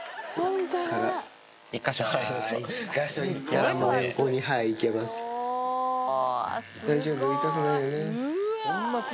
１か所いったら横にいけます。